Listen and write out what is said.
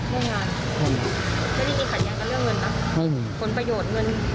ไม่ได้มีขัดแย้งกับเรื่องเงินป่ะ